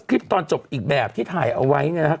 คลิปตอนจบอีกแบบที่ถ่ายเอาไว้เนี่ยนะครับ